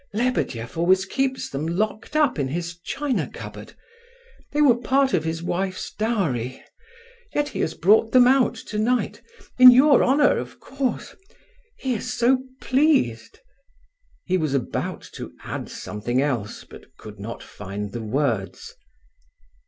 Lebedeff always keeps them locked up in his china cupboard; they were part of his wife's dowry. Yet he has brought them out tonight—in your honour, of course! He is so pleased—" He was about to add something else, but could not find the words.